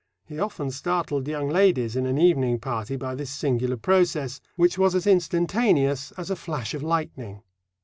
He often startled young ladies in an evening party by this singular process, which was as instantaneous as a flash of lightning.